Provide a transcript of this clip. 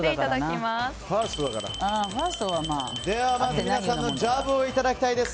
まず、皆さんのジャブをいただきたいです。